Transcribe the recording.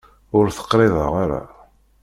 Ur t-qriḍeɣ ara.